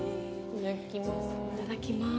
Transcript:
いただきます。